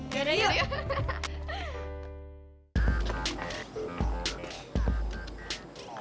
gak ada yang